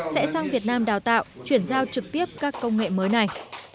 sẽ sang việt nam đào tạo chuyển giao trực tiếp các công nghệ mới này